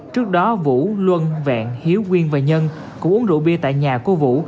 trước đó vũ luân vẹn hiếu quyên và nhân cũng uống rượu bia tại nhà của vũ